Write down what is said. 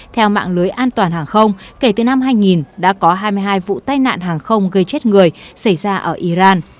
theo mạng lưới an toàn hàng không kể từ năm hai nghìn đã có hai mươi hai vụ tai nạn hàng không gây chết người xảy ra ở iran